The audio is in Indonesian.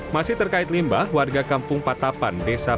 masih terkait limbah warga kampung patapan desa